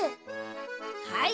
はい。